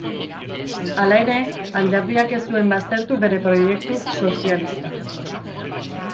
Hala ere, alderdiak ez zuen baztertu bere proiektu sozialista.